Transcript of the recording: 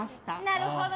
なるほど。